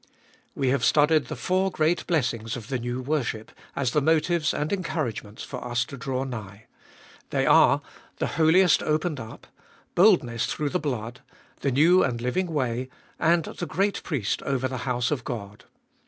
WE have studied the four great blessings of the new worship, as the motives and encouragements for us to draw nigh. They are — the Holiest opened up, Boldness through the blood, the New and living way, and the Great Priest over the house of God.